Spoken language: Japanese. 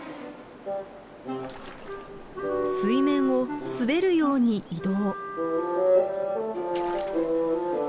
水面を滑るように移動。